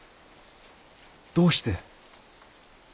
どうして？